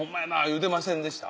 言うてませんでした？